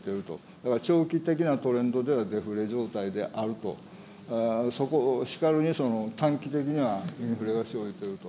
だから長期的なトレンドではデフレ状態であると、しかるに短期的にはインフレが生じてると。